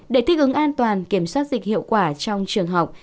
để thích ứng an toàn kiểm soát dịch hiệu quả trong trường học